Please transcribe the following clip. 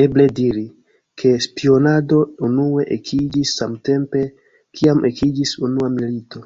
Eble diri, ke spionado unue ekiĝis samtempe, kiam ekiĝis unua milito.